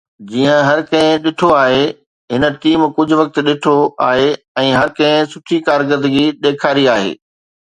جيئن هر ڪنهن ڏٺو آهي، هن ٽيم ڪجهه وقت ڏٺو آهي ۽ هر ڪنهن سٺي ڪارڪردگي ڏيکاري آهي